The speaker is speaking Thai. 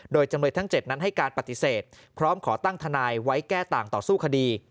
โดยจำเลยทั้ง๗นั้นให้การปฏิเสธพร้อมขอตั้งทนายไว้แก้ต่างต่อสู้คดี